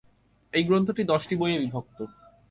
এই গ্রন্থটি দশটি বইয়ে বিভক্ত।